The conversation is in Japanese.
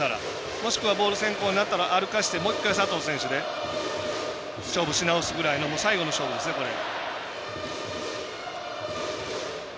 もしくはボール先行になったら歩かせて、もう１回佐藤選手で勝負し直すぐらいのもう最後の勝負ですね、これ。